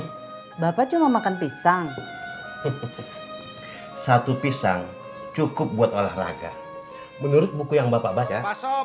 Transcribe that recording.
hai bapak bapak cuma makan pisang satu pisang cukup buat olahraga menurut buku yang bapak baca